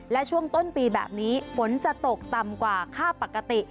และช่วงต้นปีแบบนี้ฝนจะตกต่ำกว่าค่าปกติ